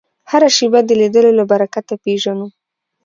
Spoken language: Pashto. هره شېبه د لیدلو له برکته پېژنو